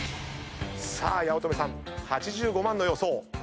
さあ八乙女さん８５万の予想。